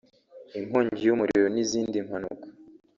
inkongi y’umuriro n’izindi mpanuka